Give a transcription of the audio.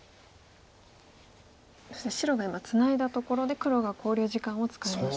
そして白が今ツナいだところで黒が考慮時間を使いました。